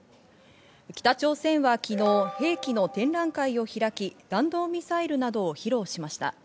北朝鮮は昨日、兵器の展覧会を開き、弾道ミサイルなどを披露しました。